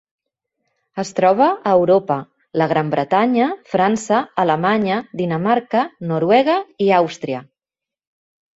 Es troba a Europa: la Gran Bretanya, França, Alemanya, Dinamarca, Noruega i Àustria.